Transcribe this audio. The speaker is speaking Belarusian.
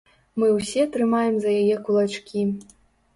Мы ўсе трымаем за яе кулачкі!